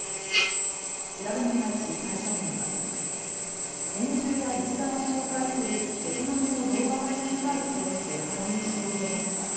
調べに対し会社員は、拳銃や実弾を紹介するベトナムの動画配信サービスを見て購入しようと思った。